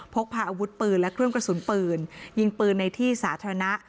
พกพาอาวุธปืนและเครื่องกระสุนปืนยิงปืนในที่สาธารณะ